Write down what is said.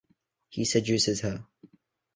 He seduces her.